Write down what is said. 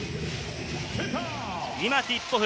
今、ティップオフ。